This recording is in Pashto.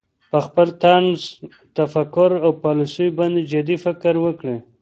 په خپل طرز تفکر او پالیسیو باندې جدي فکر وکړي